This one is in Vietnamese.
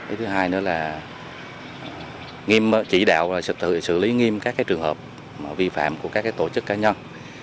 ý thứ hai nữa là nghiêm chỉ đạo xử lý nghiêm các trường hợp vi phạm của các tổ chức cá nhân